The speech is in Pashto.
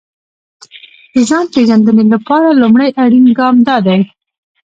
د ځان پېژندنې لپاره لومړی اړين ګام دا دی.